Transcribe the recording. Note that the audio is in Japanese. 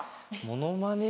ものまね。